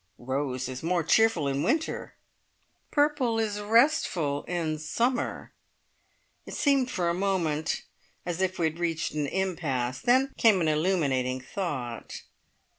"Rose is more cheerful in winter!" "Purple is restful in summer!" It seemed for a moment as if we had reached an impasse, then came an illuminating thought.